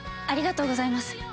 「ありがとうございます」